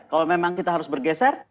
kalau memang kita harus bergeser